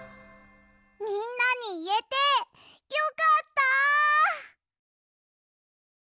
みんなにいえてよかった！